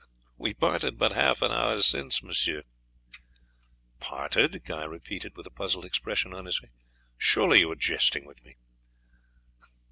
"We parted but half an hour since, monsieur." "Parted?" Guy repeated with a puzzled expression on his face. "Surely you are jesting with me."